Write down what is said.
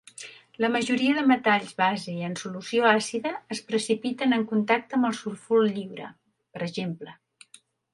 La majoria de metalls base en solució àcida es precipiten en contacte amb el sulfur lliure, p. ex.